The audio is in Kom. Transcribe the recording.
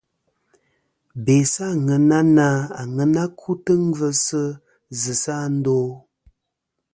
Be sɨ àŋena na aŋena kutɨ ngvɨsɨ zɨsɨ a ndo.